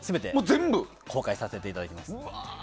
全て公開させていただきます。